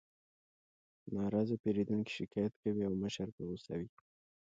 ناراضه پیرودونکي شکایت کوي او مشر په غوسه وي